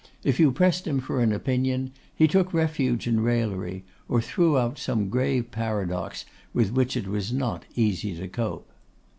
If you pressed him for an opinion, he took refuge in raillery, or threw out some grave paradox with which it was not easy to cope.